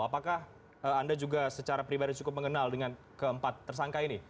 apakah anda juga secara pribadi cukup mengenal dengan keempat tersangka ini